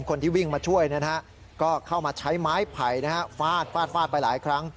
คนที่วิ่งมาช่วยก็เข้ามาใช้ไม้ไผ่ฟาดฟาดฟาดไปหลายครั้ง